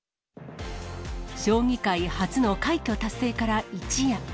将棋界初の快挙達成から一夜。